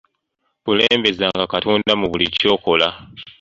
Kulembezanga katonda mu buli ky'okola.